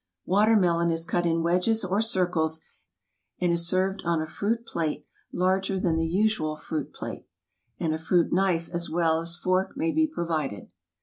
Watermelon is cut in wedges or circles, and is served on a fruit plate larger than the usual fruit plate, and a fruit knife as well as fork may be provided.